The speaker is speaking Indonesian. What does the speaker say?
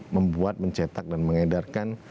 membuat mencetak dan mengedarkan